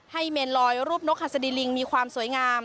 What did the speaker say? ให้เมลอยรูปนกขสดีลิงก์มีความสวยงาม